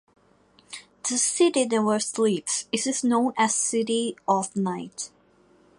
The city never sleeps, it is also known as city of night.